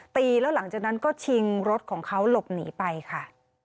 ตีแล้วหลังจากนั้นก็ชิงรถของเขาหลบหนีไปค่ะ